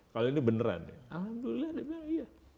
kalau ini beneran ya alhamdulillah dia bilang iya